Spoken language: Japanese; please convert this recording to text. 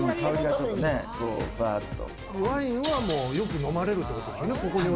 ワインはよく飲まれるってことですか？